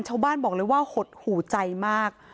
ชาวบ้านบอกเลยว่าหดหูใจมาก